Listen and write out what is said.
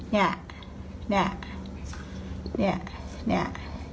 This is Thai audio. เนี่ยเนี่ยเนี่ยเนี่ย